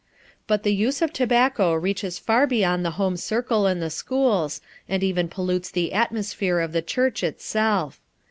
But the use of tobacco reaches far beyond the home circle and the schools and even pollutes the atmosphere of the church itself.